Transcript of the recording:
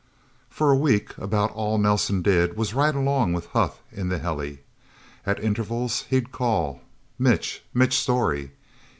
For a week, about all Nelsen did was ride along with Huth in the heli. At intervals, he'd call, "Mitch... Mitch Storey...!"